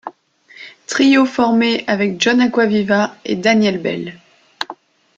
Trio formé avec John Acquaviva et Daniel Bell.